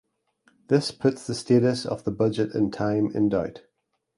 This put the status of the budget in time in doubt.